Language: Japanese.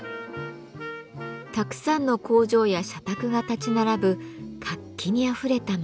たくさんの工場や社宅が立ち並ぶ活気にあふれた街。